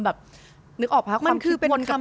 แบบนึกออกว่าความคิดวนกันไปกันมา